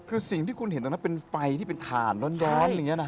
คือสิ่งที่คุณเห็นตรงนั้นเป็นไฟที่เป็นถ่านร้อนอย่างนี้นะฮะ